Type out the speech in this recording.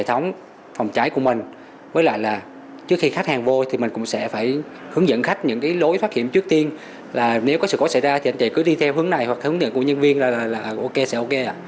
những người khách sẽ phải hướng dẫn khách những lối thoát hiểm trước tiên là nếu có sự cố xảy ra thì anh chị cứ đi theo hướng này hoặc hướng dẫn của nhân viên là ok sẽ ok